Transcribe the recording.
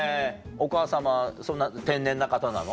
お母様そんな天然な方なの？